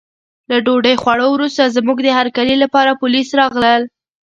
له ډوډۍ خوړو وروسته زموږ د هرکلي لپاره پولیس راغلل.